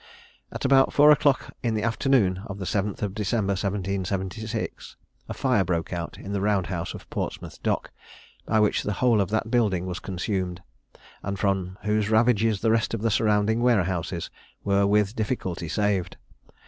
At about four o'clock in the afternoon of the 7th of December, 1776, a fire broke out in the round house of Portsmouth dock, by which the whole of that building was consumed, and from whose ravages the rest of the surrounding warehouses were with difficulty saved.